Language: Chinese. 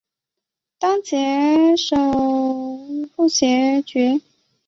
当赍首赴阙。